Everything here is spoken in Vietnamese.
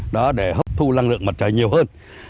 để hấp thụ lăng lượng mặt trời nhiều hơn